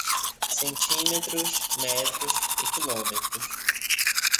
Centímetros, metros e quilômetros